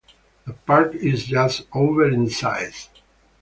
The park is just over in size.